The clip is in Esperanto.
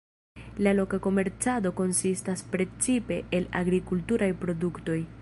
La loka komercado konsistas precipe el agrikulturaj produktoj.